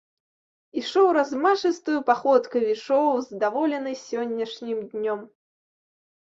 Ішоў размашыстаю паходкаю, ішоў, здаволены сённяшнім днём.